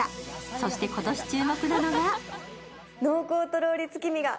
そして今年注目なのが。